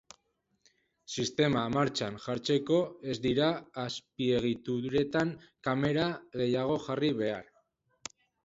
Sistema martxan jartzeko ez dira azpiegituretan kamera gehiago jarri behar.